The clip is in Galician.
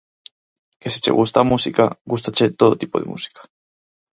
Que se che gusta a música, gústache todo tipo de música.